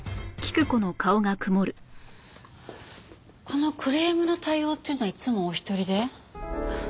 このクレームの対応っていうのはいつもお一人で？